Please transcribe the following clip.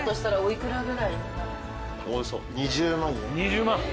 およそ２０万